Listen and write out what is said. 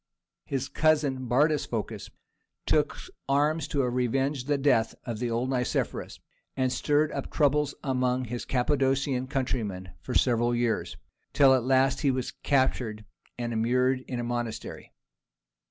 His cousin Bardas Phocas took arms to revenge the death of the old Nicephorus, and stirred up troubles among his Cappadocian countrymen for several years, till at last he was captured and immured in a monastery.